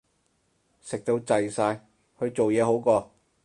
食到滯晒，去做嘢好過